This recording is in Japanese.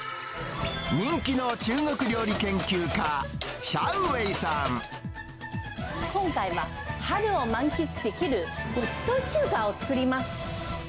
人気の中国料理研究家、今回は、春を満喫できるごちそう中華を作ります。